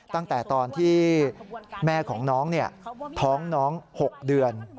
ตั้งแต่ตอนที่แม่ของน้องท้องน้อง๖เดือน